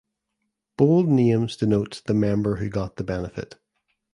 Bold names denotes the member who got the benefit.